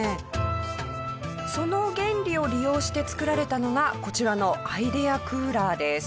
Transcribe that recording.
その原理を利用して作られたのがこちらのアイデアクーラーです。